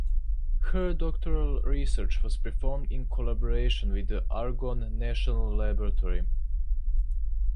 Her doctoral research was performed in collaboration with the Argonne National Laboratory.